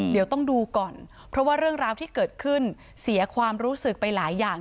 เดี๋ยวต้องดูก่อนเพราะว่าเรื่องราวที่เกิดขึ้นเสียความรู้สึกไปหลายอย่าง